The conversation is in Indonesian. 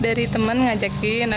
dari temen ngajak video mungkin